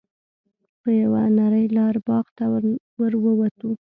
په یوه نرۍ لاره باغ ته ور ووتو.